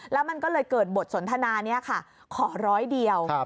แล้วมันก็เลยเกิดบทสนทนานี้ค่ะขอร้อยเดียว